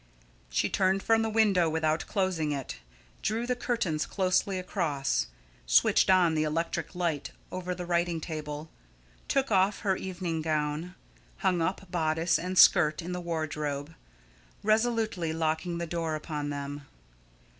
She turned from the window without closing it, drew the curtains closely across, switched on the electric light over the writing table, took off her evening gown, hung up bodice and skirt in the wardrobe, resolutely locking the door upon them.